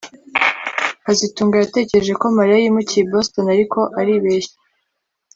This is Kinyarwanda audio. kazitunga yatekereje ko Mariya yimukiye i Boston ariko aribeshya